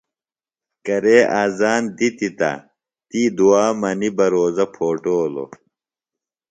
کرے اذان دِتیۡ تہ تی دُعا منی بہ روزہ پھوٹولوۡ۔